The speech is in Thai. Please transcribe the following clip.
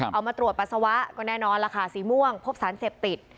เอามาตรวจปัสสาวะก็แน่นอนล่ะค่ะสีม่วงพบสารเสพติด